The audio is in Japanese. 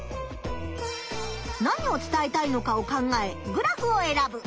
何を伝えたいのかを考えグラフを選ぶ。